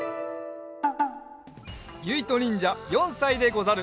ゆいとにんじゃ４さいでござる。